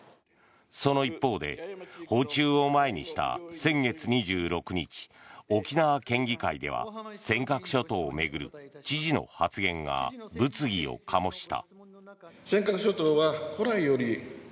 その一方で訪中を前にした先月２６日沖縄県議会では尖閣諸島を巡る知事の発言が物議を醸した。